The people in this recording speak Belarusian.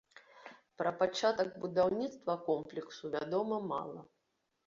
Пра пачатак будаўніцтва комплексу вядома мала.